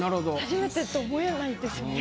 初めてと思えないですよね。